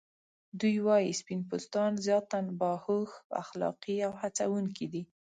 دوی وايي سپین پوستان ذاتاً باهوښ، اخلاقی او هڅونکي دي.